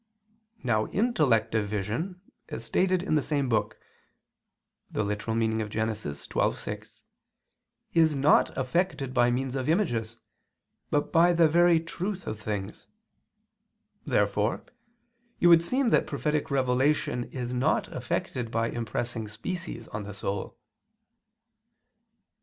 Now intellective vision, as stated in the same book (Gen. ad lit. xii, 6) is not effected by means of images, but by the very truth of things. Therefore it would seem that prophetic revelation is not effected by impressing species on the soul.